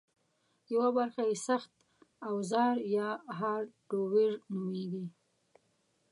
یوه برخه یې سخت اوزار یا هارډویر نومېږي